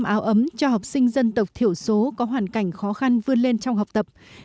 năm áo ấm cho học sinh dân tộc thiểu số có hoàn cảnh khó khăn vươn lên trong học tập